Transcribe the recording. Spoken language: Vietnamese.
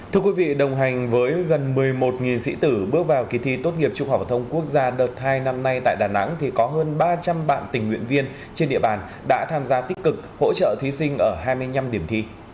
thưa quý vị đồng hành với gần một mươi một sĩ tử bước vào kỳ thi tốt nghiệp trung học thông quốc gia đợt hai năm nay tại đà nẵng thì có hơn ba trăm linh bạn tình nguyện viên trên địa bàn đã tham gia tích cực hỗ trợ thí sinh ở hai mươi năm điểm thi